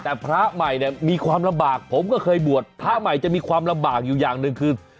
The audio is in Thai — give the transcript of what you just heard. แต่พระใหม่เนี่ยมีความลำบากผมก็เคยบวชพระใหม่จะมีความลำบากอยู่อย่างหนึ่งคือ